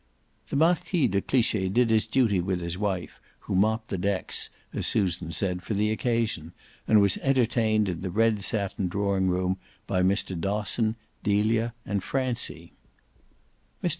The Marquis de Cliche did his duty with his wife, who mopped the decks, as Susan said, for the occasion, and was entertained in the red satin drawing room by Mr. Dosson, Delia and Francie. Mr.